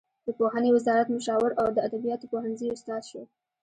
د پوهنې وزارت مشاور او د ادبیاتو پوهنځي استاد شو.